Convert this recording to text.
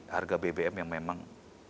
harga bbm yang memang